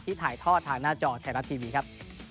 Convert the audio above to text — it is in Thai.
ถ่ายทอดทางหน้าจอไทยรัฐทีวีครับ